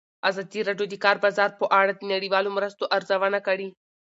ازادي راډیو د د کار بازار په اړه د نړیوالو مرستو ارزونه کړې.